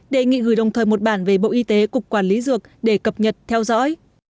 đề nghị gửi đồng thời một bản về bộ y tế cục quản lý dược để cập nhật theo dõi